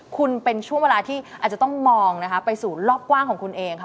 คุณเป็นช่วงเวลาที่อาจจะต้องมองนะคะไปสู่รอบกว้างของคุณเองค่ะ